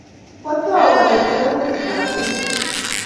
Kwatau anetegei kutitab chumbek